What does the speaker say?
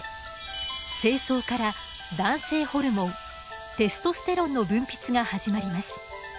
精巣から男性ホルモンテストステロンの分泌が始まります。